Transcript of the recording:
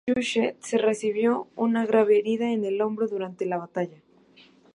Suchet recibió una grave herida en el hombro durante la batalla.